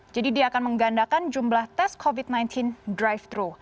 jadi dia akan menggandakan jumlah tes covid sembilan belas drive thru